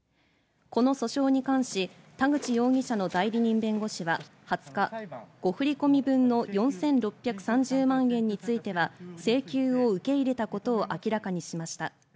この訴訟に関し、田口容疑者の代理人弁護士は２０日、誤振り込み分の４６３０万円については、請求を受け入れたことを明らかにしました。